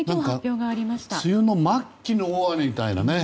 梅雨の末期の大雨みたいなね